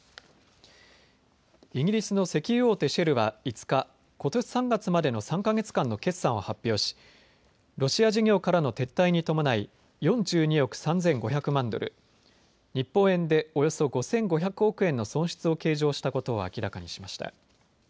イギリスの石油大手、シェルは５日、ことし３月までの３か月間の決算を発表しロシア事業からの撤退に伴い４２億３５００万ドル、日本円でおよそ５５００億円の損失を計上したことを明らかにしました。